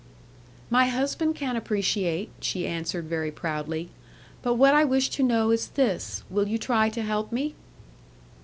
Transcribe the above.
'My husband can appreciate,' she answered very proudly; 'but what I wish to know is this, will you try to help me?'